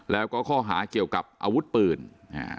แล้วก็ข้อหาเกี่ยวกับอาวุธปืนอ่า